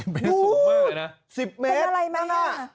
๑๐เมตรสูบมากเลยนะดู๑๐เมตรน้อนนี่ค่ะ